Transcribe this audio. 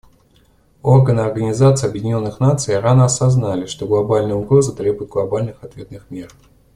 Органы Организации Объединенных Наций рано осознали, что глобальная угроза требует глобальных ответных мер.